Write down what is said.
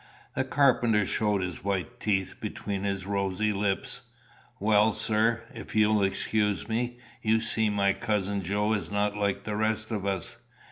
The carpenter showed his white teeth between his rosy lips. "Well, sir, if you'll excuse me, you see my cousin Joe is not like the rest of us.